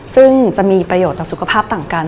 ซึ่งจะมีประโยชน์ต่อสุขภาพต่างกัน